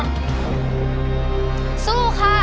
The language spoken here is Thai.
ขอบคุณครับ